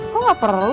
kok gak perlu